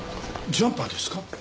ジャンパーですか？